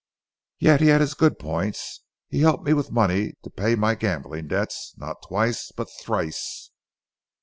"Yet he had his good points. He helped me with money to pay my gambling debts not twice, but thrice."